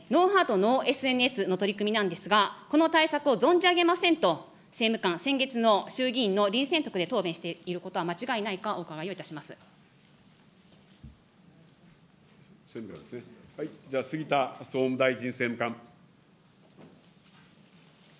ＮｏｈｅａｒｔＮｏＳＮＳの取り組みなんですが、この対策を存じ上げませんと、政務官、先月の衆議院ので答弁していることは間違いないか、お伺いをいた杉田総務大臣政務官。